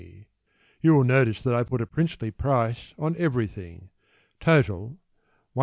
(You will notice that I put a princely price on everything), Total, 1s.